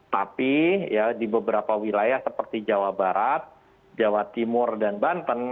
tapi ya di beberapa wilayah seperti jawa barat jawa timur dan banten